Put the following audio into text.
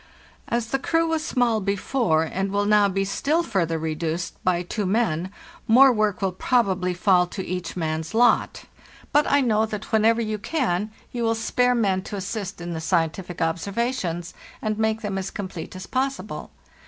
" As the crew was small before, and will now be still further reduced by two men, more work will probably fall to each man's lot; but I know that, whenever you can, you will spare men to assist in the scientific ob Il.—7 98 FARTHEST NORTSIT servations, and make them as complete as_ possible.